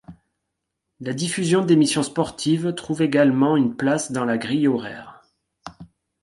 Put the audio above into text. La diffusion d'émissions sportives trouve également une place dans la grille horaire.